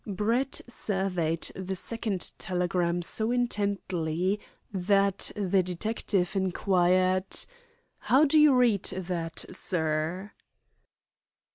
Brett surveyed the second telegram so intently that the detective inquired: "How do you read that, sir?"